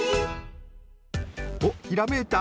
おっひらめいた？